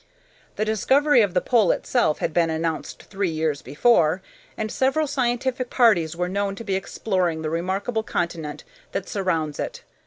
The discovery of the pole itself had been announced three years before, and several scientific parties were known to be exploring the remarkable continent that surrounds it.